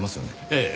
ええ。